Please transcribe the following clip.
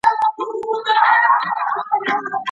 په قلم لیکنه کول د هیري ناروغۍ لپاره ښه درمل دی.